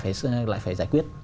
phải giải quyết